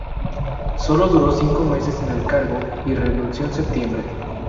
Sólo duró cinco meses en el cargo, y renunció en septiembre.